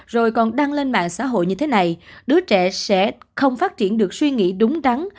rồi còn đăng lên mạng xã hội như thế này đứa trẻ sẽ không phát triển được suy nghĩ đúng đắn